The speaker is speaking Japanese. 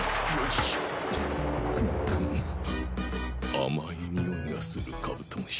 甘いにおいがするカブトムシ。